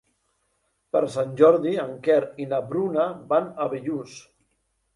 Per Sant Jordi en Quer i na Bruna van a Bellús.